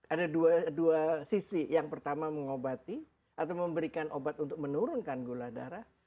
ada dua sisi yang pertama mengobati atau memberikan obat untuk menurunkan gula darah